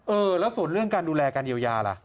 เออแล้วส่วนเรื่องการดูแลการเยียวยาล่ะ